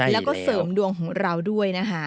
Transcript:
แล้วก็เสริมดวงของเราด้วยนะคะ